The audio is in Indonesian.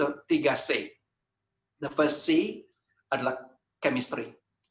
pertama adalah kemisi